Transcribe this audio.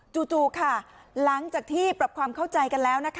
จู่ค่ะหลังจากที่ปรับความเข้าใจกันแล้วนะคะ